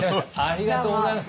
ありがとうございます。